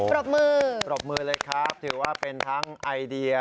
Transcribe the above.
ปรบมือปรบมือเลยครับถือว่าเป็นทั้งไอเดีย